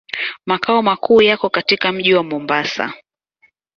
Makao makuu yako katika mji wa Mombasa.